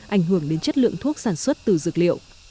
ảnh hưởng đến chất lượng thuốc sản xuất từ dược liệu